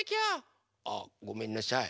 あごめんなさい。